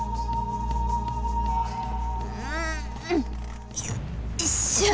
うんよいしょっ。